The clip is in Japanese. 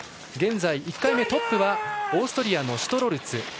現在、１回目トップはオーストリアのシュトロルツ。